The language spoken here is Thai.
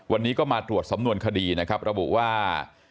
วันนี้ก็มาตรวจสำนวนคดีนะครับระบุว่า